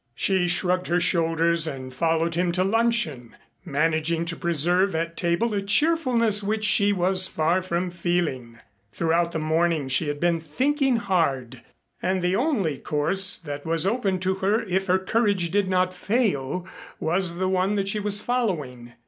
She shrugged her shoulders and followed him to luncheon, managing to preserve at table a cheerfulness which she was far from feeling. Throughout the morning she had been thinking hard. And the only course that was open to her if her courage did not fail was the one that she was following.